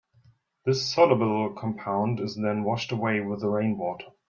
This soluble compound is then washed away with the rainwater.